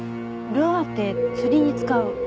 ルアーって釣りに使う？